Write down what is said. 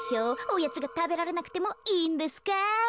おやつがたべられなくてもいいんですか？